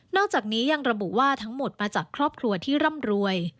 อกจากนี้ยังระบุว่าทั้งหมดมาจากครอบครัวที่ร่ำรวย